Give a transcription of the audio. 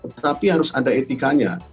tetapi harus ada etikanya